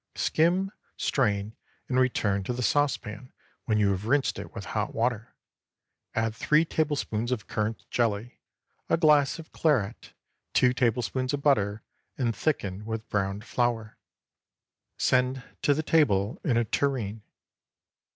Skim, strain, and return to the saucepan when you have rinsed it with hot water. Add three tablespoonfuls of currant jelly, a glass of claret, two tablespoonfuls of butter, and thicken with browned flour. Send to table in a tureen.